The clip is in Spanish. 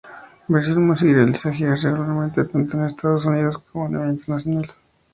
Bethel Music realiza giras regularmente tanto en Estados Unidos como a nivel internacional.